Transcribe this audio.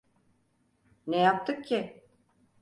Ne yaptık ki?